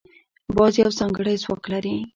باز یو ځانګړی ځواک لري